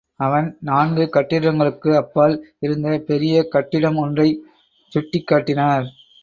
அவர், நான்கு கட்டிடங்களுக்கு அப்பால் இருந்த பெரிய கட்டிடம் ஒன்றைச் சுட்டிக் காட்டினார்.